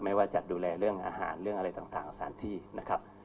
ไม่ว่าจะดูแลเรื่องอาหารเรื่องอะไรต่างสถานที่นะครับ